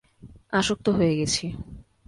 আসক্ত হয়ে গেছি।